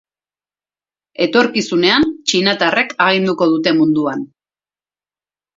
Etorkizunean txinatarrek aginduko dute munduan.